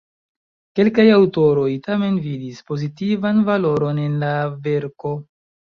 Kelkaj aŭtoroj tamen vidis pozitivan valoron en la verko.